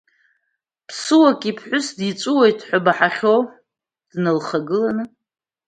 Ԥсуак иԥҳәыс диҵәуеит ҳәа баҳахьоу дналхагыланы?